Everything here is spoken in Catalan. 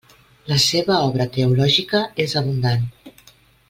La seva obra teològica és abundant.